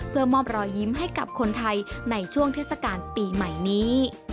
เพื่อมอบรอยยิ้มให้กับคนไทยในช่วงเทศกาลปีใหม่นี้